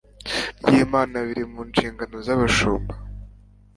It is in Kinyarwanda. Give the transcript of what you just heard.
ry imana biri mu nshingano z abashumba